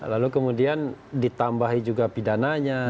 lalu kemudian ditambahi juga pidananya